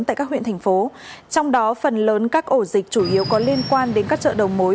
tại các huyện thành phố trong đó phần lớn các ổ dịch chủ yếu có liên quan đến các chợ đầu mối